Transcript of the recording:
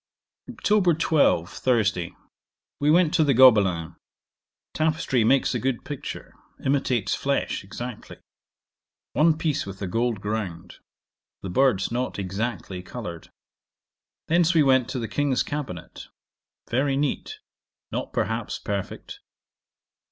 'Oct. 12. Thursday. We went to the Gobelins. Tapestry makes a good picture; imitates flesh exactly. One piece with a gold ground; the birds not exactly coloured. Thence we went to the King's cabinet; very neat, not, perhaps, perfect.